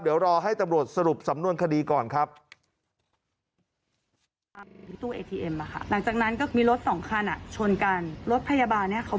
เดี๋ยวรอให้ตำรวจสรุปสำนวนคดีก่อนครับ